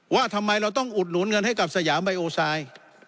ว่าทำไมเราต้องอุดหนุนเงินให้กับสยามไบโอไซด์